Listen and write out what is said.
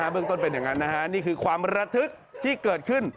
เบื้องต้นเป็นอย่างนั้นนะฮะนี่คือความระทึกที่เกิดขึ้น